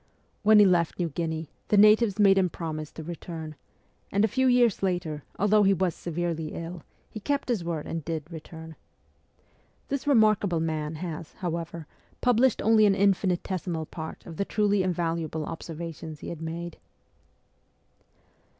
When he left New Guinea the natives made him promise to return ; and a few years later, although he was severely ill, he kept his word and did return. This remarkable man has, however, published only an infinitesimal part of the truly invaluable observations he had made.